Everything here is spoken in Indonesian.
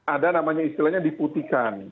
ada namanya istilahnya diputihkan